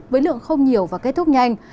với lượng không nhiều và kết thúc nhanh